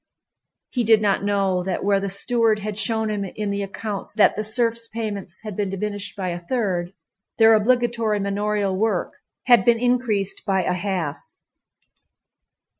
He did not know that where the steward had shown him in the accounts that the serfs' payments had been diminished by a third, their obligatory manorial work had been increased by a half.